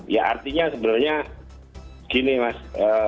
ya artinya sebenarnya gini mas